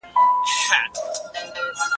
د زکات فریضه پر مالدارو خلګو لازمه ده.